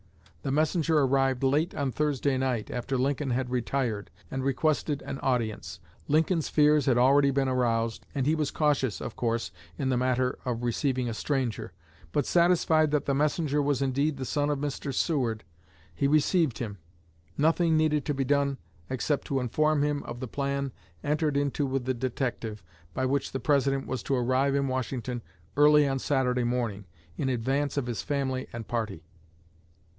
The messenger arrived late on Thursday night, after Lincoln had retired, and requested an audience. Lincoln's fears had already been aroused, and he was cautious, of course, in the matter of receiving a stranger. But satisfied that the messenger was indeed the son of Mr. Seward, he received him. Nothing needed to be done except to inform him of the plan entered into with the detective, by which the President was to arrive in Washington early on Saturday morning, in advance of his family and party.